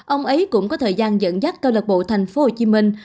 ông ấy cũng có thời gian dẫn dắt câu lạc bộ thành phố hồ chí minh